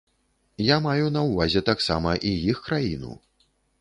Я маю на ўвазе таксама і іх краіну.